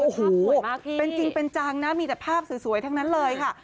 โอ้โหเป็นจริงเป็นจังนะมีแต่ภาพสวยทั้งนั้นเลยค่ะ